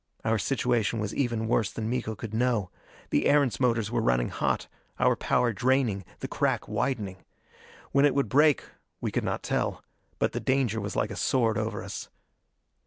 Our situation was even worse than Miko could know. The Erentz motors were running hot our power draining, the crack widening. When it would break we could not tell; but the danger was like a sword over us.